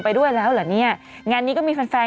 ไปด้วยแล้วเหรอเนี่ยงานนี้ก็มีแฟนแฟน